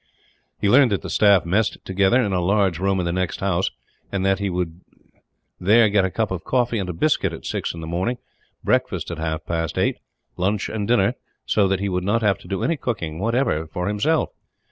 He learned that the staff messed together, in a large room in the next house; and that he would there get a cup of coffee and a biscuit, at six in the morning, breakfast at half past eight, lunch and dinner; so that he would not have to do any cooking, whatever, for himself.